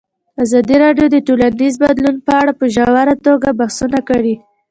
ازادي راډیو د ټولنیز بدلون په اړه په ژوره توګه بحثونه کړي.